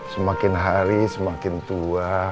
semakin hari semakin tua